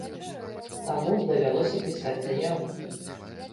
Таму давялося пісаць заяву.